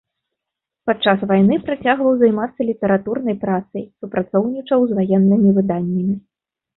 Падчас вайны працягваў займацца літаратурнай працай, супрацоўнічаў з ваеннымі выданнямі.